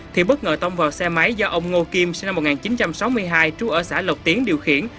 thì bất ngờ tông vào xe máy do ông ngô kim sinh năm một nghìn chín trăm sáu mươi hai trú ở xã lộc tiến điều khiển